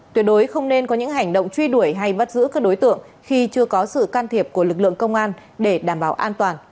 tuyệt đối không nên có những hành động truy đuổi hay bắt giữ các đối tượng khi chưa có sự can thiệp của lực lượng công an để đảm bảo an toàn